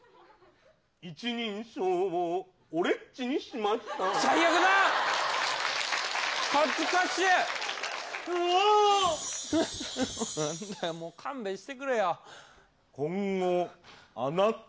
一人称を俺っちにしました。